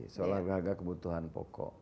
soal harga harga kebutuhan pokok